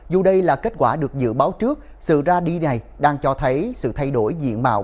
dù đây là kết quả được dự báo trước sự ra đi này đang cho thấy sự thay đổi diện mạo